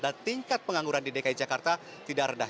tingkat pengangguran di dki jakarta tidak rendah